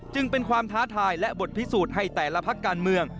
จึงเป็นความท้าทายและบทพิสูจน์ให้แต่ละพักการเมือง